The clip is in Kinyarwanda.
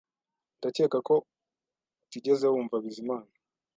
Ndakeka ko utigeze wumva Bizimana